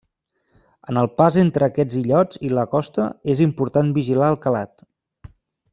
En el pas entre aquests illots i la costa és important vigilar el calat.